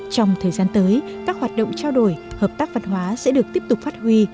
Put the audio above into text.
trong thời gian tới các hoạt động trao đổi hợp tác văn hóa sẽ được tiếp tục phát huy